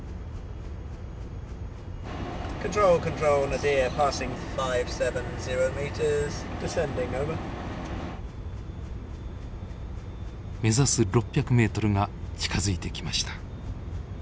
目指す６００メートルが近づいてきました。